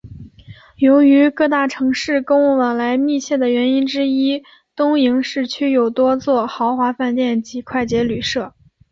由于与各大城市公务往来密切的原因之一东营市区有多座豪华饭店及快捷旅舍。